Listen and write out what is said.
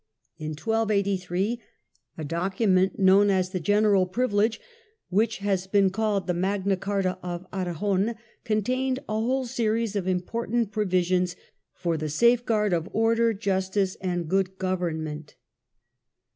In 1283 a document known as the General Pri vilege, which has been called the Magna Carta of Aragon, contained a whole series of important provisions for the safeguard of order, justice and good government.